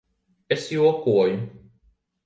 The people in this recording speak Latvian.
Es jokoju.